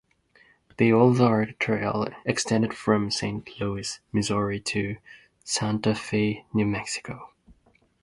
The Ozark Trail extended from Saint Louis, Missouri, to Santa Fe, New Mexico.